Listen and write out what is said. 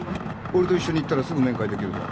俺と一緒に行ったらすぐ面会できるぞ。